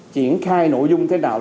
triển khai nội dung thế nào